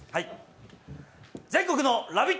全国の「ラヴィット！」